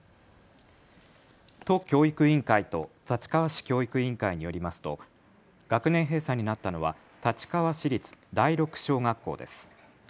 都教育委員会と立川市教育委員会によりますと学年閉鎖になったのは立川市立第六小学校です。